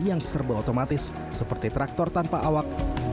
yang serba otomatis seperti traktor tanpa awak